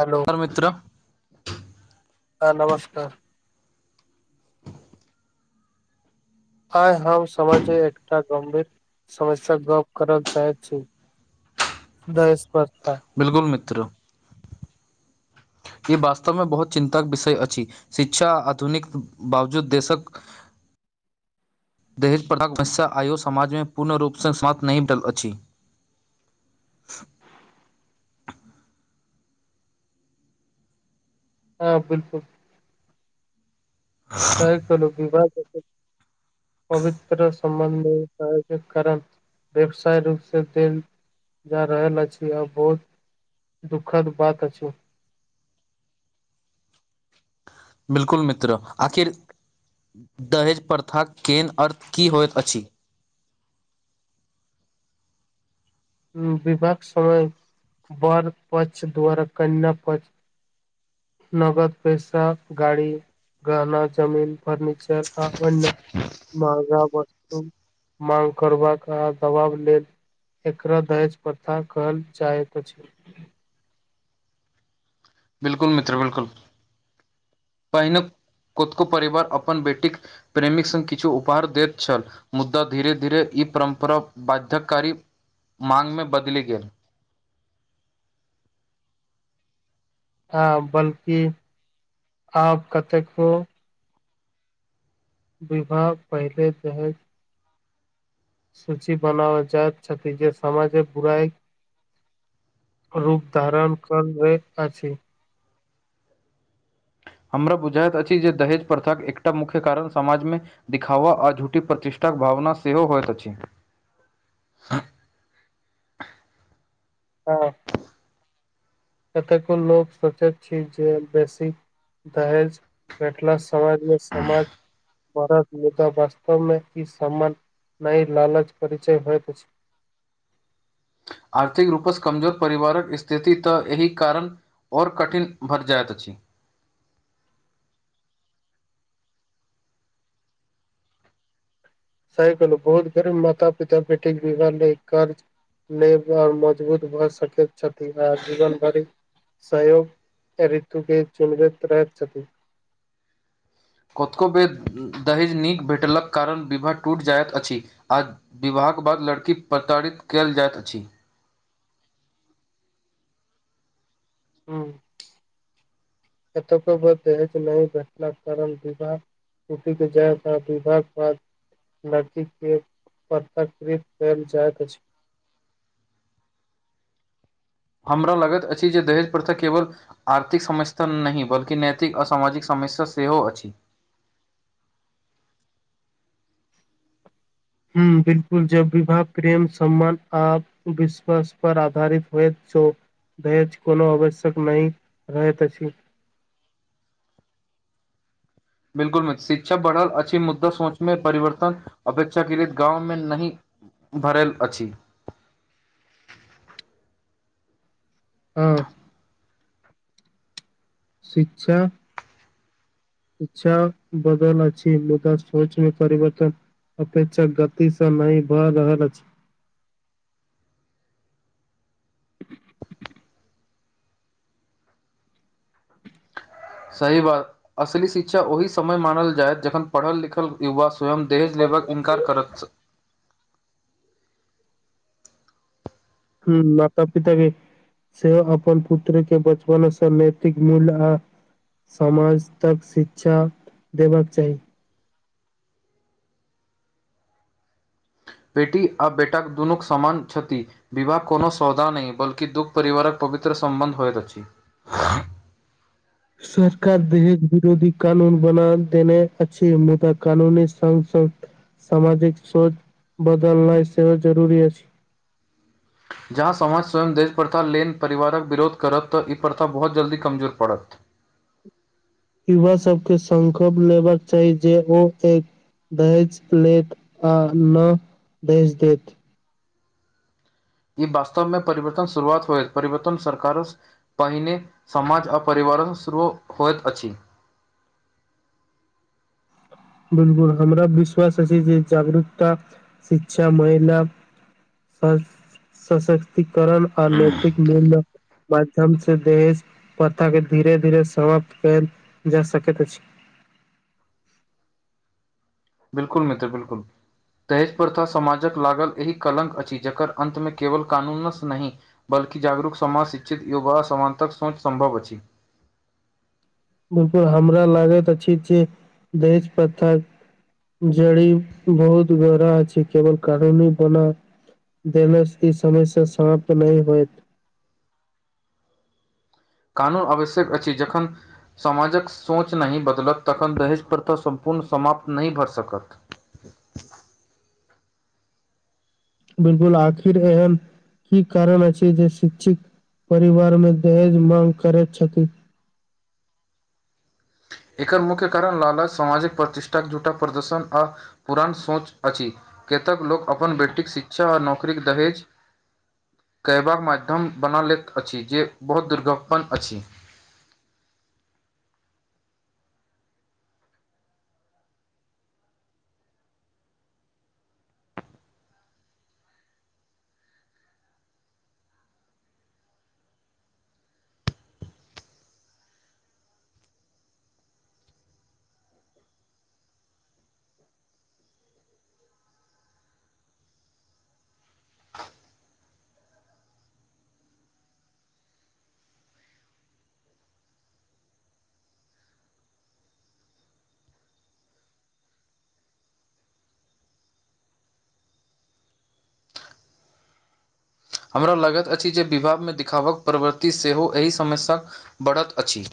hello ओर मित्र ह नमस्कार आइ हम समाजे एकटा गम्भीर समस्या गप करल चाहै छी दयस्पर्घा बिल्कुल मित्र ई वास्तवमे बहुत चिन्ताके विषय अछि शिक्षा आधुनिक बावजूद देशक [unintelligible] दहेज प्रथाक हमेशा आयो समाजमे पूर्ण रूपसँ समाप्त नहि भेल अछि हँ बिल्कुल सही कहलू विवाह [unintelligible] पवित्र सम्बन्ध आयोजक कारण व्यवसाय रूपसँ देल जा रहल अछि आ बहुत दुखद बात अछि बिल्कुल मित्र आखिर दहेज प्रथाक केन अर्थ की होइत अछि विवाहक समय बर पक्ष द्वारा कन्या पक्ष नगद पैसा गाड़ी गहना जमीन फर्णचर आ ओना महगा वस्तु माग करबाका आ दबाब लेल एकरा दहेज प्रथा कहल जाइत अछि बिल्कुल मित्र बिल्कुल पहिने खुदकऽ परिवार अपन बेटीक प्रेमिक संग किछु उपहार दैत छल मुद्दा धीरे धीरे ई परम्परा बाध्यकारी मागमे बदलि गेल ह बल्कि आब कतेको विभाग पहिले दहेज सूचि बनाव जाइत छथि जे समाजेक बुराई रूप धारण कर ले अछि हमरा बुझाइत अछि जे दहेज प्रथाक एकटा मुख्य कारण समाजमे दिखावा आ झूठी प्रतिष्ठाक भावना सेहो होयइत अछि हँ कतेको लोकोग सोचैत छी जे बेसी दहेज भेटला समाजमे समाज भारत मुदा वास्तवमे ई सान नहि लालच परिचय होय अछि आर्थिक रूपसँ कमजोर परिवारक स्थिति तऽ एहि कारण आओर कठिन भट जाइत अछि सही कलो बहुत बड़ा माता पिता बेैटी के [unintelligible] नहि आओर मजबूत भए सकैत छथि आ जीवन भरि सहयोग ऋतुके चुनबैत रहैत छथि कतको बेर दहेज नीक भेटलक कारण विवाह टूटि जायइत अछि आ विवाहक बाद लड़की प्रताड़ित कयल जाइत अछि हुं एतक दहज नहि बैठला कारण विवाह छुटी के जाया [unintelligible] बाद लड़की के प्रताकृित कल जाइत अछि हमरा लागैत अछि जे दहेज प्रथा केवल आर्थिक समस्या नहि बल्कि नैतिक आ सामाजिक समस्या सेहो अछि हूं बिलकुल जब विवाह प्रेम सम्मान आब विश्वास पर आधारित होइत छै दहेज कोनो आवश्यक नहि रहैत अछि बिलकुल [unintelligible] शिक्षा बढ़ल अच्छी मुद्दा सोचमे परिवर्तन अपेक्षा के लि गाँव मे नहि भरल अछि हँ शिक्षा शिक्षा बदल अछि मुदा सोच मे परिवर्तन अपेक्षा गति स नहि भए रहल अछि सही बात असली शिक्षा ओहि समय मानल जायत जखन पढ़ल लिखल युवा स्वयं दहेज लेबक इन्कार करत हुॅं माता पिता भी से अपन पुत्र के बचपनसँ नैतिक मूल्य आ समाज तक शिक्षा देबाक चाही बेटी आ बेटाक दुनूक समान छथि विवाह कोनो सौदा नहि बल्कि दु परिवारक पवित्र सम्बन्ध होइत अछि सरकार देश बिरोधी कानून बना देने अछि मुदा कानुनी [unintelligible] सामाजिक सोच बदलनाइ सेहो जरूरी अछि जहाँ समाज स्वयं देश प्रथा लेन परिवारक विरोध करत तऽ ई प्रथा बहुत जल्दी कमजोर पड़त युवा सबके संकल्प लेबाक चाही जे ओ एक दहेज लेत आ ना दहेज देत ई वास्तवमे परिवर्तन शुरुआत होइ परिवर्तन सरकार स पहिने समाज आ परिवारो शुरू होइत अछि बिलकुल हमरा विश्वास अछि जे जागरूकता शिक्षा महिला स सशक्तिकरण आ नैतिक मूल्य माध्यम से देश प्रथा के धीरे धीरे समाप्त कैल जैत सकैत अछि बिलकुल मित्र बिलकुल दहेज प्रथा समाजक लागल एहि कारण अछि जकर अन्तमे केवल कानूनसँ नहि बलकि जागरूक समाज शिक्षित युवा सानतक सोच संभव अछि बिलकुल हमरा लागैत अछि जे दहेज पर्था जड़ी बहुत गहरा अछि केवल कनूनी बना देने ई समय से समाप्त नहि होयत कानून आवश्यक अछि जखन समाजक सोच नहि बदलत तखन दहेज पर्था सम्पूर्ण समाप्त नहि भऽ सकत बिलकुल आखिर एहन की कारण अछि जे शिक्षिक परिवार मे दहेज मांग करैत छथिन एकर मुख्य कारण लाला सामाजिक प्रतिष्ठाके झूठटा प्रदर्शन आ पुरान सोच अछि केतक लोक अपन बेटीक शिक्षा आ नौकरीक दहेज कहयबाक माध्यम बना लैत अछि जे बहुत दुर्घपन्न अछि हमरा लगैत अछि जे विभागमे देखिावक प्रवृतति सेहो एहि समस्या क बढ़त अछि